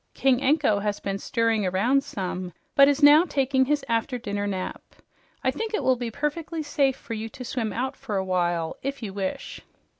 King Anko has been stirring around some, but is now taking his after dinner nap. I think it will be perfectly safe for you to swim out for a while, if you wish."